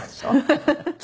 ハハハハ。